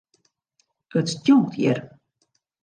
It stjonkt hjir.